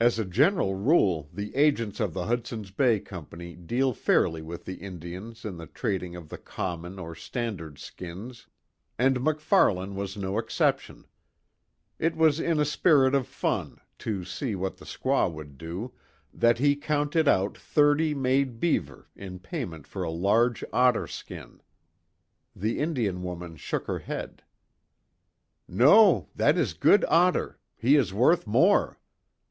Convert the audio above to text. As a general rule the agents of the Hudson's Bay Company deal fairly with the Indians in the trading of the common or standard skins, and MacFarlane was no exception. It was in a spirit of fun, to see what the squaw would do, that he counted out thirty made beaver in payment for a large otter skin. The Indian woman shook her head: "No, that is a good otter. He is worth more."